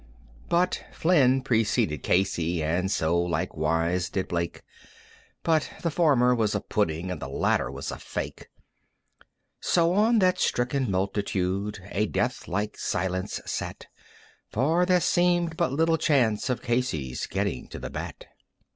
But Flynn preceded Casey, and so likewise did Blake, But the former was a pudding, and the latter was a fake; So on that stricken multitude a death like silence sat, For there seemed but little chance of Casey's getting to the bat.